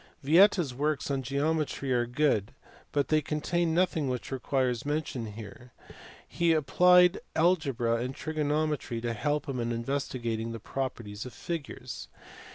Vieta s works on geometry are good but they contain nothing which requires mention here. He applied algebra and trigonometry to help him in investigating the properties of figures.